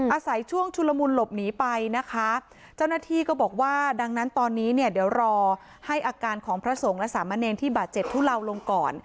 อาศัยช่วงชุลมุนหลบหนีไปนะคะเจ้าหน้าที่ก็บอกว่าดังนั้นตอนนี้เนี่ยเดี๋ยวรอให้อาการของพระสงฆ์และสามเณรที่บาดเจ็บทุเลาลงก่อน